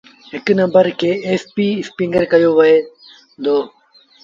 هڪ نمبر کي ايسپيٚ اسپيٚنگر ڪهيو وهي دو۔